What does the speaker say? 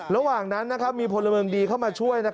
ระหว่างนั้นมีพลเมืองดีเข้ามาช่วย